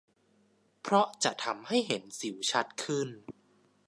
เพราะจะทำให้เห็นสิวชัดขึ้น